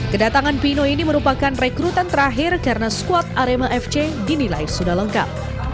kedatangan pino ini merupakan rekrutan terakhir karena squad arema fc dinilai sudah lengkap